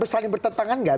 saling bertentangan nggak